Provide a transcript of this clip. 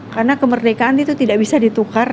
karena kemerdekaan itu tidak bisa ditukar